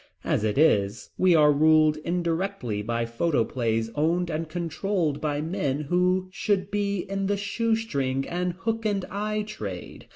As it is, we are ruled indirectly by photoplays owned and controlled by men who should be in the shoe string and hook and eye trade.